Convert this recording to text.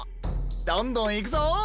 どんどんいくぞ！